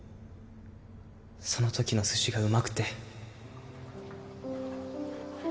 その時の寿司がうまくて